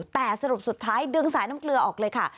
แต่สรุปสุดท้ายดึงสายน้ำเกลือออกเลยค่ะ